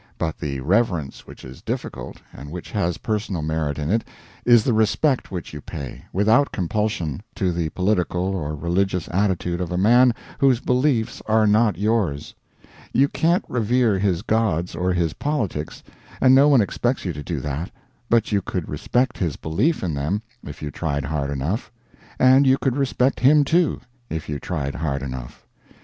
But the reverence which is difficult, and which has personal merit in it, is the respect which you pay, without compulsion, to the political or religious attitude of a man whose beliefs are not yours. You can't revere his gods or his politics, and no one expects you to do that, but you could respect his belief in them if you tried hard enough; and you could respect him, too, if you tried hard enough.